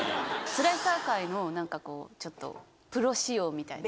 スライサー界のちょっとプロ仕様みたいな。